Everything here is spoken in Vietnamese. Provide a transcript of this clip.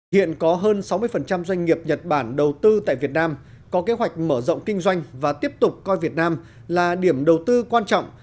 hiện có hơn sáu mươi doanh nghiệp nhật bản đầu tư tại việt nam có kế hoạch mở rộng kinh doanh và tiếp tục coi việt nam là điểm đầu tư quan trọng